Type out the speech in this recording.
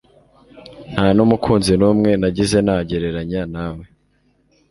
Nta n'umukunzi numwe nagize nagereranya nawe.